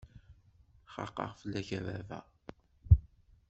Xaqeɣ fell-ak a baba!